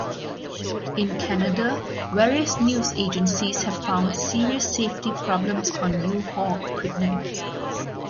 In Canada, various news agencies have found serious safety problems on U-Haul equipment.